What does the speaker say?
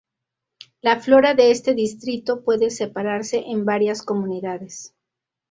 La flora de este distrito puede separarse en varias comunidades.